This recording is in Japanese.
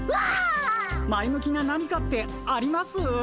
前向きな何かってあります？